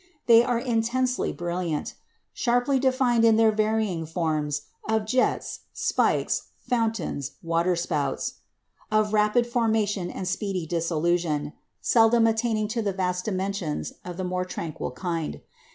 They are intensely brilliant; sharply defined in their varying forms of jets, spikes, fountains, waterspouts; of rapid formation and speedy dissolution, seldom attaining to the vast dimensions of the more tranquil kind.